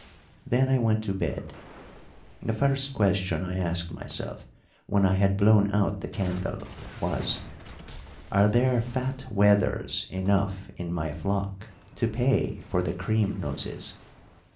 "Then I went to bed. The first question I asked myself, when I had blown out the candle, was, Are there fat wethers enough in my flock to pay for the cream noses?